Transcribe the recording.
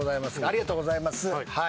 ありがとうございます。